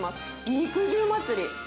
肉汁祭り。